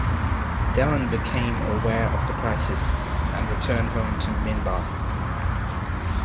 Delenn became aware of the crisis, and returned home to Minbar.